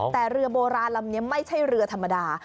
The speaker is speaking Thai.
แต่เรือโบราณลำนี้ไม่ใช่เรือธรรมดา